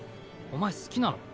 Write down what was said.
お前好きなの？